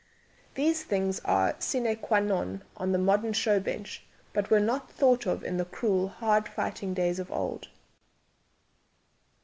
These things are sine qua non on the modern show bench, but were not thought of in the cruel, hard fighting days of old.